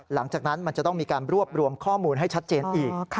หลังจากนั้นมันจะต้องมีการรวบรวมข้อมูลให้ชัดเจนอีก